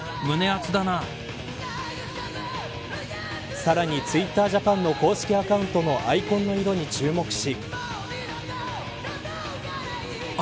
さらにツイッタージャパンの公式アカウントのアイコンの色に注目し。